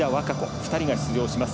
２人が出場します。